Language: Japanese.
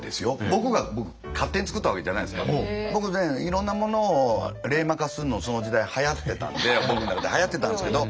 僕が勝手に作ったわけじゃないんですけど僕ねいろんなものを冷マ化するのその時代はやってたんで僕の中ではやってたんですけど。